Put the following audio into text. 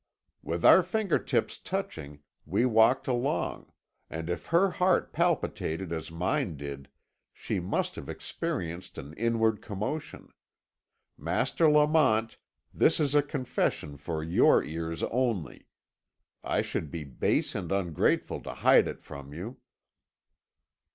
"With our finger tips touching, we walked along, and if her heart palpitated as mine did, she must have experienced an inward commotion. Master Lamont, this is a confession for your ears only. I should be base and ungrateful to hide it from you."